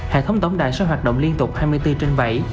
hệ thống tổng đài sẽ hoạt động liên tục hai mươi bốn trên bảy